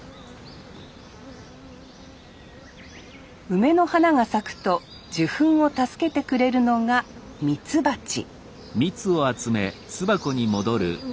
梅の花が咲くと受粉を助けてくれるのがみつばち